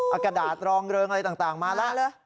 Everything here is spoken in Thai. เอากระดาษรองเริงอะไรต่างมาแล้ว